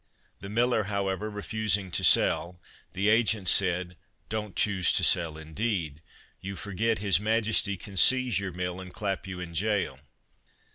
The miller, however, refusing to sell, the agent said: "Don't choose to sell, indeed! You forget His Majesty can seize your mill and clap you in jail."